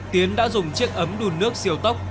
tiến đã dùng chiếc ấm đun nước siêu tốc